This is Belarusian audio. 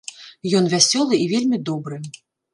Ён вясёлы і вельмі добры.